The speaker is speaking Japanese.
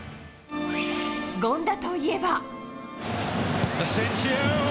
権田といえば。